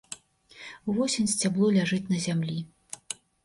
Увосень сцябло ляжыць на зямлі.